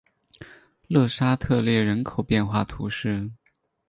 勒沙特列人口变化图示